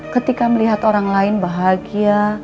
ketika melihat orang lain bahagia